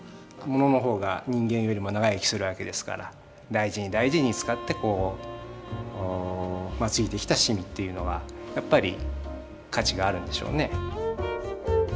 ものの方が人間よりも長生きする訳ですから大事に大事に使ってついてきた染みというのはやっぱり価値があるんでしょうね。